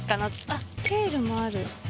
あっケールもある。